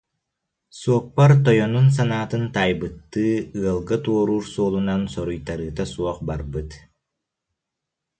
Суоппар тойонун санаатын таайбыттыы, ыалга туоруур суолунан соруйтарыыта суох барбыт